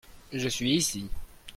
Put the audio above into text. Je suis ici.